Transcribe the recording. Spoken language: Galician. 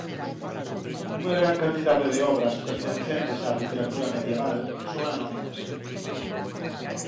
Unha gran cantidade de obras pertencentes á literatura medieval son anónimas.